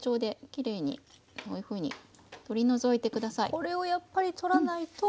これをやっぱり取らないと。